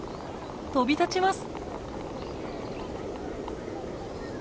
飛び立ちます！